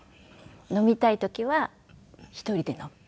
飲みたい時は１人で飲む。